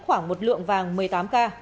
khoảng một lượng vàng một mươi tám k